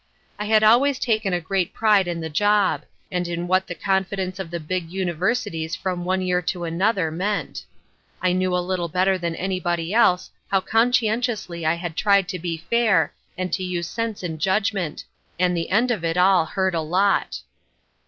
I had always taken a great pride in the job, and in what the confidence of the big universities from one year to another meant. I knew a little better than anybody else how conscientiously I had tried to be fair and to use sense and judgment, and the end of it all hurt a lot.